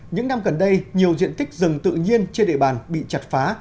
những năm gần đây nhiều diện tích rừng tự nhiên trên địa bàn bị chặt phá